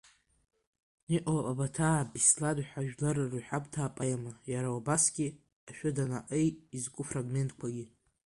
Иҟоуп Абаҭаа Беслан ҳәа жәлар рҳәамҭа апоема, иара убасгьы ашәы Данаҟеи изку фрагментқәакгьы.